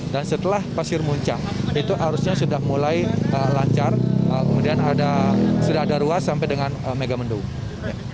dan setelah pasir muncak itu arusnya sudah mulai lancar kemudian sudah ada ruas sampai dengan megamendung